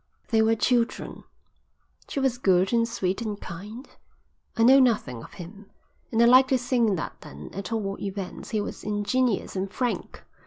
"They were children. She was good and sweet and kind. I know nothing of him, and I like to think that then at all events he was ingenuous and frank.